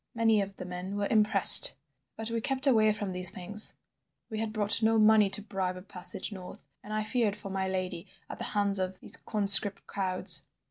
Many of the men were impressed. But we kept away from these things; we had brought no money to bribe a passage north, and I feared for my lady at the hands of these conscript crowds.